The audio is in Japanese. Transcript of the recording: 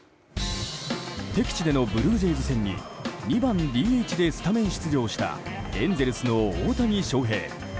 敵地でのブルージェイズ戦に２番ＤＨでスタメン出場したエンゼルスの大谷翔平。